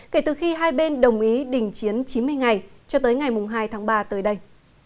kể từ khi hai bên đồng ý đình chiến chín mươi ngày cho tới ngày hai tháng ba tới đây